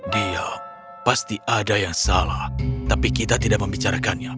dia pasti ada yang salah tapi kita tidak membicarakannya